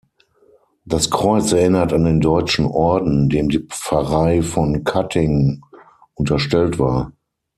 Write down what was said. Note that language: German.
Das Kreuz erinnert an den Deutschen Orden dem die Pfarrei von Cutting unterstellt war.